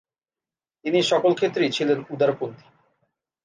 তিনি সকল ক্ষেত্রেই ছিলেন উদারপন্থী।